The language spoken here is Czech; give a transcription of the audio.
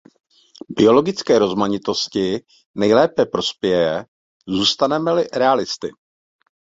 Biologické rozmanitosti nejlépe prospěje, zůstaneme-li realisty.